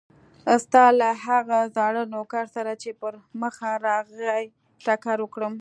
ستا له هغه زاړه نوکر سره چې پر مخه راغی ټکر وکړم.